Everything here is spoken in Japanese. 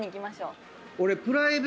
俺。